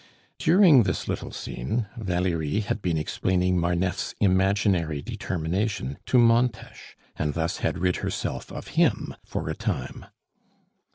During this little scene, Valerie had been explaining Marneffe's imaginary determination to Montes, and thus had rid herself of him for a time.